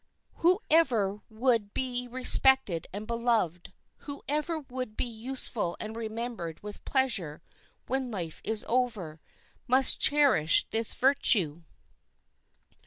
Whoever would be respected and beloved; whoever would be useful and remembered with pleasure when life is over, must cherish this virtue.